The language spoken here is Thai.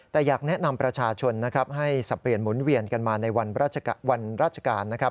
แต่อยากแนะนำประชาชนนะครับให้สับเปลี่ยนหมุนเวียนกันมาในวันราชการนะครับ